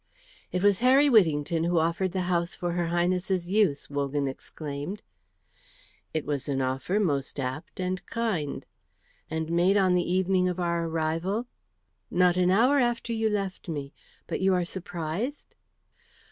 "It was Harry Whittington who offered the house for her Highness's use?" Wogan exclaimed. "It was an offer most apt and kind." "And made on the evening of our arrival?" "Not an hour after you left me. But you are surprised?"